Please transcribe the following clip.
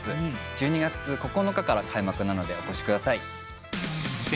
１２月９日から開幕なのでお越しください。